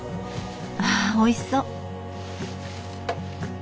ああおいしそう！